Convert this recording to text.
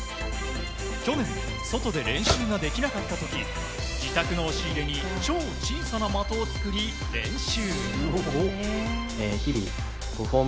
去年、外で練習ができなかった時自宅の押し入れに超小さな的を作り練習。